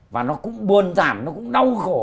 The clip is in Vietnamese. và nó cũng buồn giảm nó cũng đau khổ